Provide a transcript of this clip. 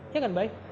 iya kan baik